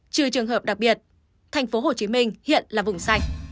trừ trường hợp đặc biệt thành phố hồ chí minh hiện là vùng sạch